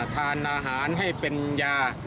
ทานอาหารให้เป็นยา